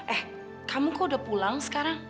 eh kamu kok udah pulang sekarang